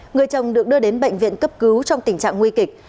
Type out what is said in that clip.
người chồng được đưa đến bệnh viện cấp cứu trong tình trạng nguy kịch